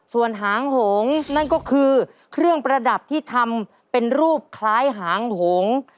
ส่วนหางหงนั่นก็คือเครื่องประดับที่ทำเป็นรูปคล้ายหางหง